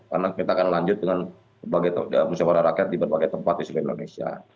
karena kita akan lanjut dengan musyawarah rakyat di berbagai tempat di seluruh indonesia